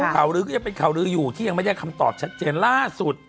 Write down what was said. ข่าวลื้อก็ยังเป็นข่าวลื้ออยู่ที่ยังไม่ได้คำตอบชัดเจนล่าสุด